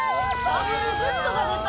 ダブルグッドが出た。